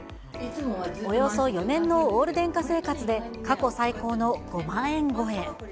およそ４年のオール電化生活で、過去最高の５万円超え。